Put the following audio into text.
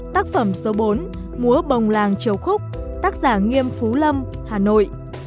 tác phẩm số bốn múa bồng làng triều khúc tác giả nghiêm phú lâm hà nội